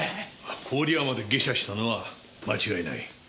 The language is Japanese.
郡山で下車したのは間違いない。